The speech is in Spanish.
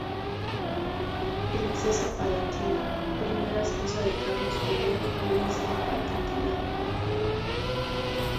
Princesa Palatina, primera esposa de Carlos I Luis del Palatinado.